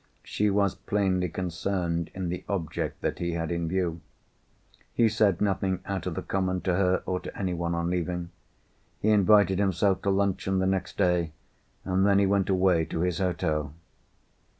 She was plainly concerned in the object that he had in view. He said nothing out of the common to her or to anyone on leaving. He invited himself to luncheon the next day, and then he went away to his hotel.